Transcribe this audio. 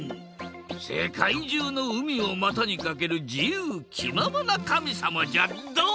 せかいじゅうの海をまたにかけるじゆうきままなかみさまじゃドン！